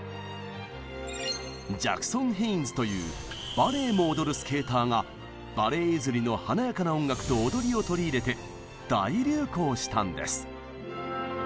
ジャクソン・ヘインズというバレエも踊るスケーターがバレエ譲りの「華やかな音楽と踊り」を取り入れて大流行したんです。